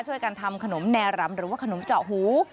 ช่วยกันทำขนมแนรำหรือว่าขนมเจาะหู